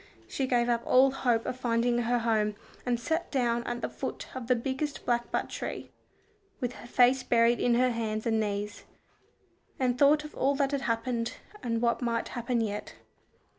She gave up all hope of finding her home, and sat down at the foot of the biggest blackbutt tree, with her face buried in her hands and knees, and thought of all that had happened, and what might happen yet.